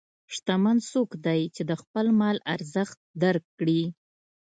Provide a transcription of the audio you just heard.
شتمن څوک دی چې د خپل مال ارزښت درک کړي.